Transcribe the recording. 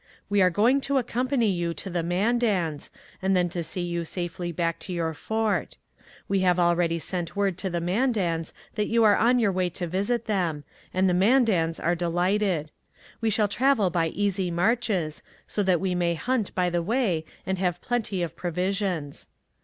We are going to accompany you to the Mandans, and then to see you safely back to your fort. We have already sent word to the Mandans that you are on your way to visit them, and the Mandans are delighted. We shall travel by easy marches, so that we may hunt by the way and have plenty of provisions.'